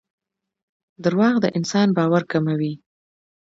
دراوغ دانسان باور کموي